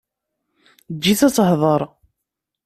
Eǧǧ-itt ad tehder!